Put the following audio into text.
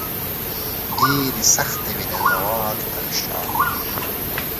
ډیرې سختې وې د زوال تر شاه